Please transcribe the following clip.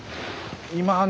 今はね